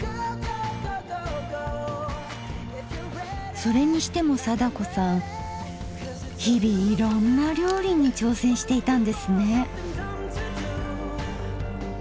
それにしても貞子さん日々いろんな料理に挑戦していたんですね。